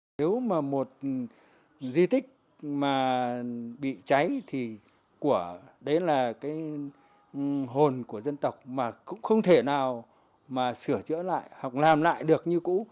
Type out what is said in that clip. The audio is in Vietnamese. nếu mà một di tích mà bị cháy thì đấy là cái hồn của dân tộc mà cũng không thể nào mà sửa chữa lại học làm lại được như cũ